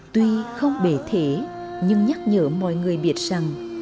tuy không bể thế nhưng nhắc nhở mọi người biết rằng